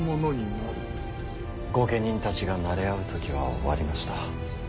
御家人たちがなれ合う時は終わりました。